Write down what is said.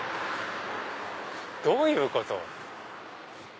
どういうこと？